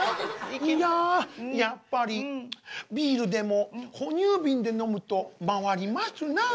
いややっぱりビールでも哺乳瓶で飲むと回りますなあ。